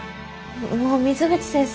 もう水口先生